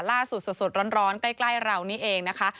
ล่าสุดสุดสดร้อนใกล้เหล่านี้เองนะคะ